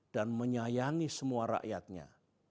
dan menyayangi semua rakyatnya